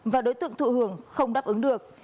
và đối tượng thụ hưởng không đáp ứng được